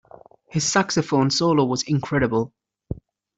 His saxophone solo was incredible.